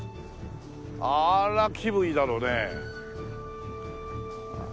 あれは気分いいだろうねえ。